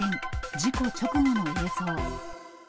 事故直後の映像。